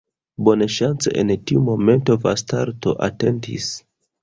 Bonŝance, en tiu momento Vastalto atentis.